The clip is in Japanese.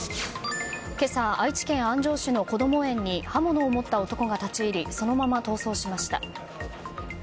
今朝、愛知県安城市のこども園に刃物を持った男が立ち入りそのまま逃走しました。